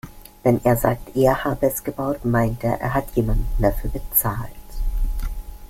Wenn er sagt, er habe es gebaut, meint er, er hat jemanden dafür bezahlt.